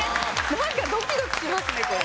なんかドキドキしますねこれ。